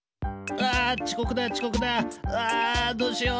うわどうしよう！